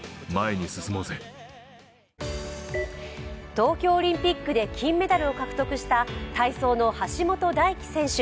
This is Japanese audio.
東京オリンピックで金メダルを獲得した体操の橋本大輝選手。